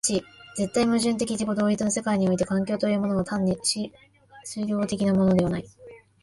しかし絶対矛盾的自己同一の世界において環境というのは単に質料的なものではない。